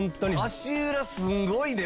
足裏すんごいね！